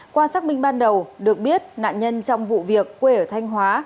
qua xác minh ban đầu được biết nạn nhân trong vụ việc quê ở thanh hóa